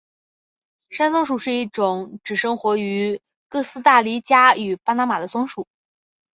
山松鼠是一种只生活于哥斯大黎加与巴拿马的松鼠。